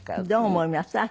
どう思います？